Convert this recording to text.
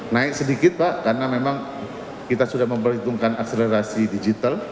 naik sedikit pak karena memang kita sudah memperhitungkan akselerasi digital